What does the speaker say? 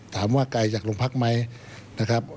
ถามว่าไกลจากลงพักใหม่นะครับ